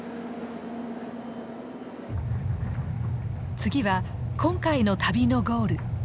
次は今回の旅のゴールザ・パー。